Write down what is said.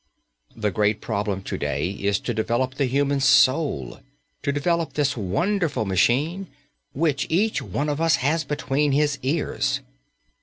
The great problem to day is to develop the human soul, to develop this wonderful machine which each one of us has between his ears.